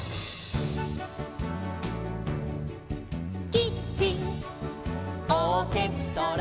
「キッチンオーケストラ」